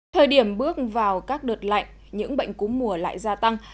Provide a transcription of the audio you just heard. thời điểm bước vào các đợt lạnh những bệnh cúm mùa lại gia tăng